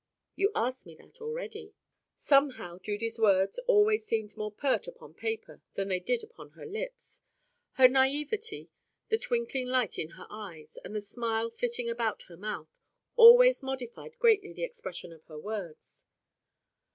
"You asked me that already." Somehow Judy's words always seem more pert upon paper than they did upon her lips. Her naivete, the twinkling light in her eyes, and the smile flitting about her mouth, always modified greatly the expression of her words.